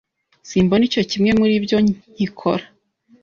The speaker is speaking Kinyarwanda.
Simbona icyo kimwe muri ibyo kinkora.